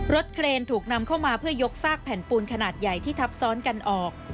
เครนถูกนำเข้ามาเพื่อยกซากแผ่นปูนขนาดใหญ่ที่ทับซ้อนกันออก